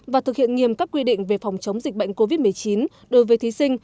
và thực hiện nghiêm các quy định về phòng chống dịch bệnh covid một mươi chín đối với thí sinh